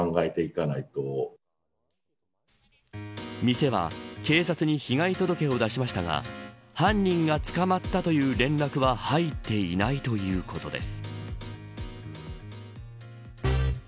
店は警察に被害届を出しましたが犯人が捕まったという連絡は入っていないということです。